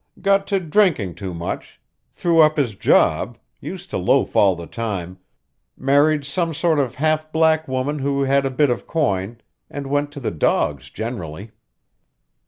Got to drinking too much, threw up his job, used to loaf all the time, married some sort of a half black woman who had a bit of coin, and went to the dogs generally."